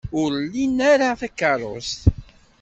Ur lin ara takeṛṛust.